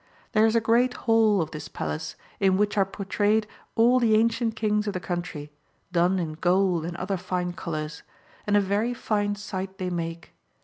There is a great hall of this palace, in which are pourtrayed all the ancient kings of the country, done in gold and other fine colours, and a very fine sight they make.